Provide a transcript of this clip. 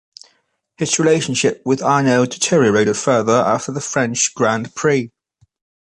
His relationship with Arnoux deteriorated further after the French Grand Prix.